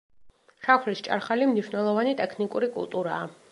შაქრის ჭარხალი მნიშვნელოვანი ტექნიკური კულტურაა.